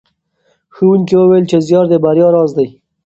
ښوونکي وویل چې زیار د بریا راز دی.